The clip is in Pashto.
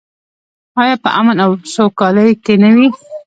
آیا په امن او سوکالۍ کې نه وي؟